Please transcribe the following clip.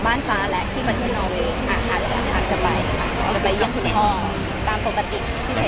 อย่างไรก็ได้หมด